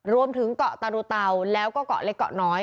รวมถึงเกาะตารุเตาแล้วก็เกาะเล็กเกาะน้อย